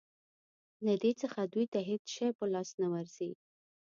له دې څخه دوی ته هېڅ شی په لاس نه ورځي.